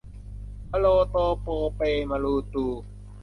มะโลโตโปเปมะลูตู